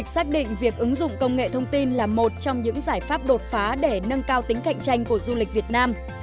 xác định việc ứng dụng công nghệ thông tin là một trong những giải pháp đột phá để nâng cao tính cạnh tranh của du lịch việt nam